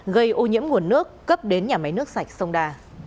gây ô nhiễm nguồn nước cấp đến nhà máy nước sạch sông đà